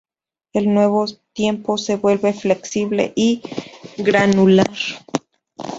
El nuevo tiempo se vuelve flexible y granular.